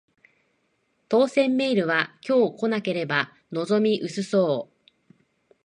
当せんメールは今日来なければ望み薄そう